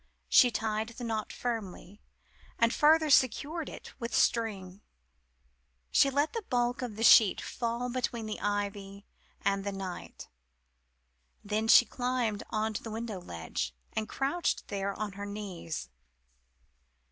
She tied the knot firmly, and further secured it with string. She let the white bulk of the sheet fall between the ivy and the night, then she climbed on to the window ledge, and crouched there on her knees.